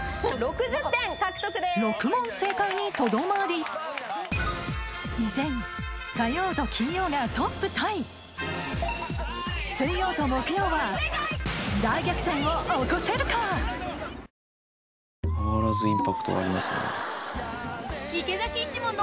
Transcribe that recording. ６問正解にとどまり依然火曜と金曜がトップタイ水曜と木曜は大逆転を起こせるか⁉やさしいマーン！！